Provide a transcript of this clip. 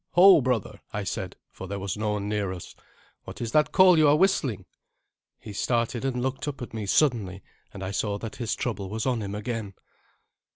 "Ho, brother!" I said, for there was no one near us. "What is that call you are whistling?" He started and looked up at me suddenly, and I saw that his trouble was on him again.